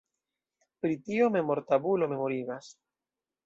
Pri tio memortabulo memorigas.